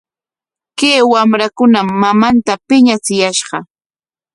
Kay wamrakunam mamanta piñachiyashqa.